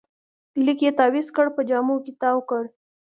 لیک یې تاویز کړ، په جامو کې تاوکړ